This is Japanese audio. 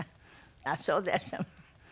あっそうでいらっしゃいます。